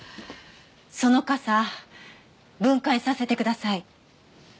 その傘分解させてください。